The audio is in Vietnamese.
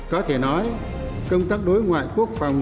có thể nói công tác đối ngoại quốc phòng